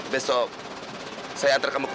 besok saya antar kamu ke rumah saya